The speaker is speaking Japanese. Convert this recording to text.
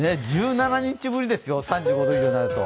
１７日ぶりですよ、３５度以上になると。